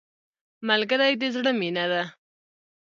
ملګری د زړه مینه ده